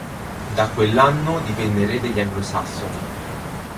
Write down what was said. Da quell'anno divenne re degli Anglosassoni.